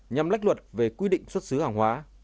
nhằm lách luật về quy định xuất xứ hàng hóa